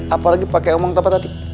apalagi pakai omongan tepat hati